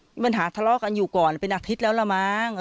มีปัญหาทะเลาะกันอยู่ก่อนเป็นอาทิตย์แล้วละมั้ง